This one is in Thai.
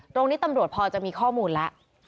ตรงนี้ตำรวจพอจะมีข้อมูลแล้ว